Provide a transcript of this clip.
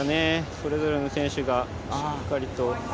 それぞれの選手がしっかりと。